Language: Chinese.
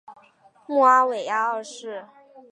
穆阿维亚二世。